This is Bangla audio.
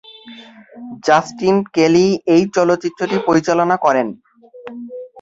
জাস্টিন কেলি এই চলচ্চিত্রটি পরিচালনা করেন।